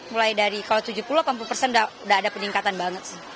mulai dari kalau tujuh puluh delapan puluh persen udah ada peningkatan banget sih